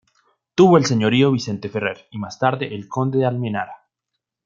Tuvo el señorío Vicente Ferrer y más tarde el Conde de Almenara.